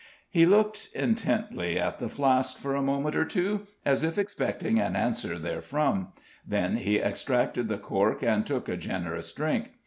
He looked intently at the flask for a moment or two, as if expecting an answer therefrom, then he extracted the cork, and took a generous drink.